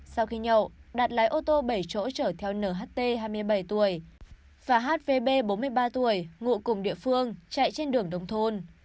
sau khi nhậu đạt lái ô tô bảy chỗ chở theo nht hai mươi bảy tuổi và hvb bốn mươi ba tuổi ngụ cùng địa phương chạy trên đường đồng thôn